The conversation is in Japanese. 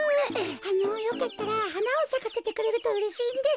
あのよかったらはなをさかせてくれるとうれしいんですけど。